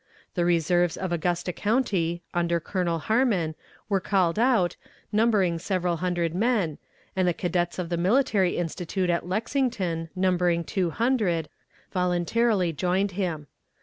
The reserves of Augusta County, under Colonel Harmon, were called out, numbering several hundred men, and the cadets of the Military Institute at Lexington, numbering two hundred, voluntarily joined him.